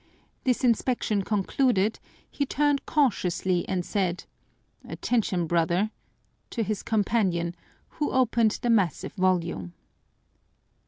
This inspection concluded, he turned cautiously and said, "Attention, brother!" to his companion, who opened the massive volume.